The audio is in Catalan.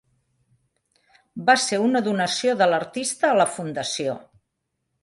Va ser una donació de l'artista a la Fundació.